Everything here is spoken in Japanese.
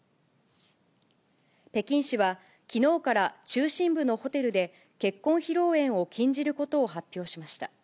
北京市は、きのうから中心部のホテルで、結婚披露宴を禁じることを発表しました。